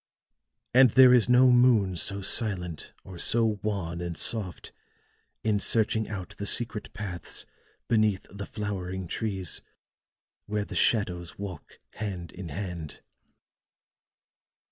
And there is no moon so silent, or so wan and soft in searching out the secret paths beneath the flowering trees, where the shadows walk hand in hand."